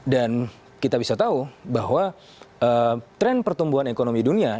dan kita bisa tahu bahwa tren pertumbuhan ekonomi dunia